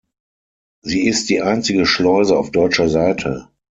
Sie ist die einzige Schleuse auf deutscher Seite.